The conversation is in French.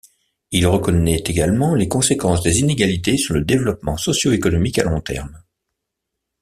Il reconnaît également les conséquences des inégalités sur le développement socioéconomique à long terme.